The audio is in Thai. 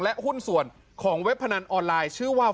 หุ้นส่วนของเว็บพนันออนไลน์ชื่อว่า